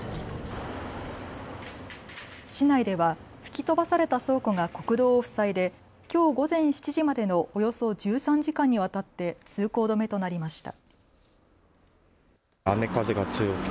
市内では吹き飛ばされた倉庫が国道を塞いできょう午前７時までのおよそ１３時間にわたって通行止めとなりました。